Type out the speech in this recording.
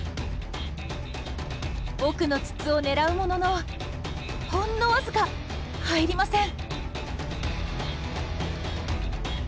奥の筒を狙うもののほんのわずか入りません。